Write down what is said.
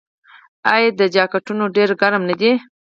آیا دا جاکټونه ډیر ګرم نه دي؟